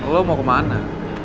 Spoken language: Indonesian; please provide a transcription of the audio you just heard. lo mau kemana